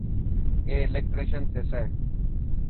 اي الڪيٽريسن ٿيسي.